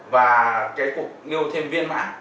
và cái cuộc yêu thêm viên mã